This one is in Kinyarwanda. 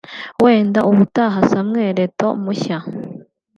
wenda ubutaha Samuel Eto’o mushya